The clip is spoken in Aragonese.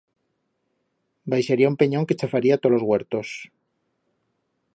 Baixaría un penyón que chafaría tot los huertos.